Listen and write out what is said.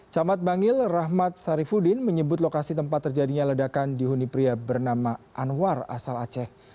camat bangil rahmat sarifudin menyebut lokasi tempat terjadinya ledakan di huni pria bernama anwar asal aceh